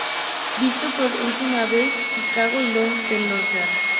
Visto por última vez: Chicago" y de Loader con el "Loader.